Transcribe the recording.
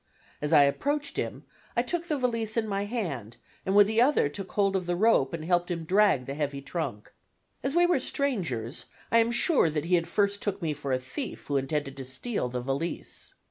As I approached him I took the valise in my hand and with the other took hold of the rope and helped him drag the heavy trunk. As we were strangers, I am sure that he at first took me for a thief who intended to steal the valise.